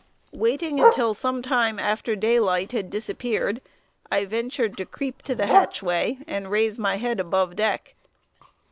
Waiting until sometime after daylight had disappeared, I ventured to creep to the hatchway, and raise my head above deck.